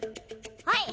はい！